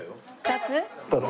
２つ？